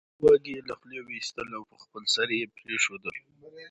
واګی یې له خولې وېستل او په خپل سر یې پرېښودل